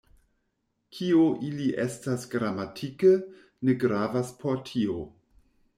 Kio ili estas gramatike, ne gravas por tio.